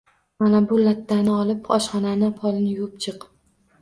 Mana bu lattani olib oshxonani polini yuvib chiq